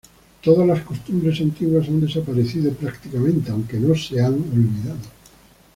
Todas las costumbres antiguas han desaparecido prácticamente, aunque no se han olvidado.